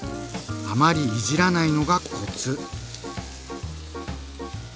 あまりいじらないのがコツ！